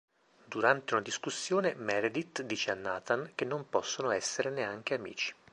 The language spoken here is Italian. Durante una discussione Meredith dice a Nathan che non possono essere neanche amici.